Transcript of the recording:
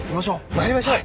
まいりましょう！